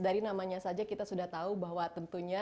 dari namanya saja kita sudah tahu bahwa tentunya